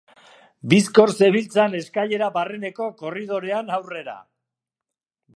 Bizkor zebiltzan eskailera-barreneko korridorean aurrera.